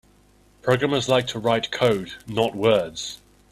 Programmers like to write code; not words.